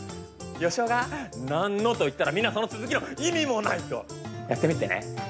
よしおが「なんの」と言ったらみんなはその続きの「意味もない」とやってみてね。